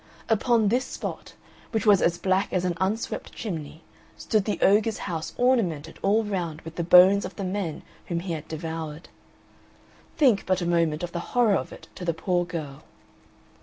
Upon this spot, which was as black as an unswept chimney, stood the ogre's house ornamented all round with the bones of the men whom he had devoured. Think but for a moment of the horror of it to the poor girl.